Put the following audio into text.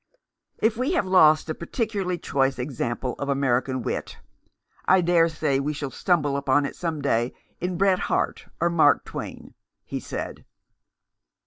"If we have lost a particularly choice example of American wit, I dare say we shall stumble upon it some day in Bret Harte or Mark Twain," he said.